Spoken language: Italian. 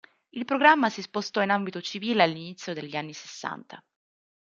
Il programma si spostò in ambito civile all'inizio degli anni Sessanta.